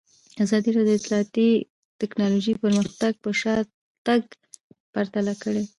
ازادي راډیو د اطلاعاتی تکنالوژي پرمختګ او شاتګ پرتله کړی.